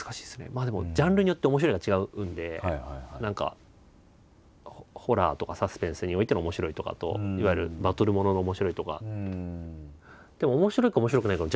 まあでもジャンルによって「面白い」が違うので何かホラーとかサスペンスにおいての「面白い」とかといわゆるバトルものの「面白い」とか。